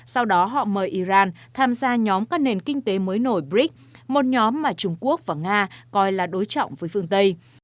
sau đó họ mời iran tham gia nhóm các nền kinh tế mới nổi brics một nhóm mà trung quốc và nga coi là đối trọng với phương tây